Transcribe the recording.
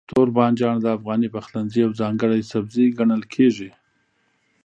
توربانجان د افغاني پخلنځي یو ځانګړی سبزی ګڼل کېږي.